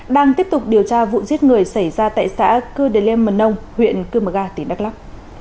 đang tiếp tục điều tra vụ giết người xảy ra tại xã cư đề lêm mần nông huyện cư mờ ga tỉnh đắk lắk